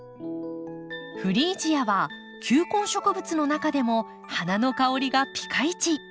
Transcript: フリージアは球根植物の中でも花の香りがぴかいち。